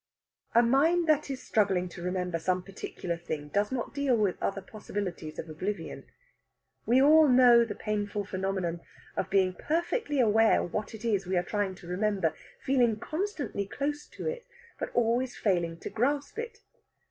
A mind that is struggling to remember some particular thing does not deal with other possibilities of oblivion. We all know the painful phenomenon of being perfectly aware what it is we are trying to remember, feeling constantly close to it, but always failing to grasp it.